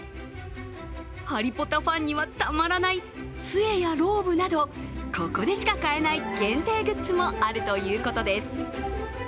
ハリポタファンにはたまらないつえやローブなどここでしか買えない限定グッズもあるということです。